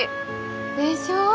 でしょ！？